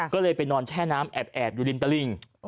ก็เลยไปนอนแช่น้ำแอบอยู่ริมตะลิง